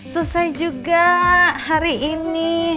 selesai juga hari ini